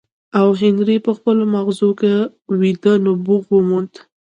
او هنري په خپلو ماغزو کې ويده نبوغ وموند.